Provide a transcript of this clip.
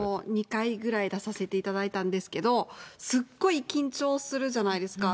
２回ぐらい、出させていただいたんですけど、すっごい緊張するじゃないですか。